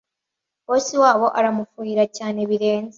Bosi wabo aramufuhira cyane birenze